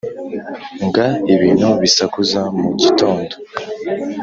Nga ibintu bisakuza mu gitondo